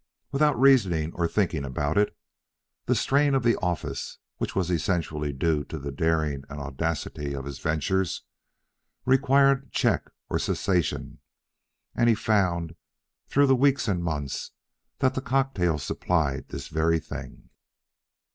Without reasoning or thinking about it, the strain of the office, which was essentially due to the daring and audacity of his ventures, required check or cessation; and he found, through the weeks and months, that the cocktails supplied this very thing.